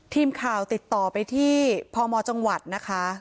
ทีมข่าวติดต่อไปที่พมจังหวัดนะคะ